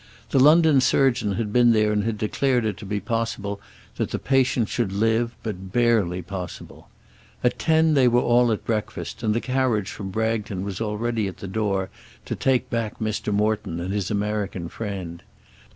The London surgeon had been there and had declared it to be possible that the patient should live, but barely possible. At ten they were all at breakfast, and the carriage from Bragton was already at the door to take back Mr. Morton and his American friend.